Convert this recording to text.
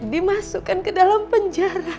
dimasukkan ke dalam penjara